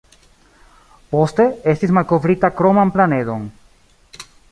Poste, estis malkovrita kroman planedon.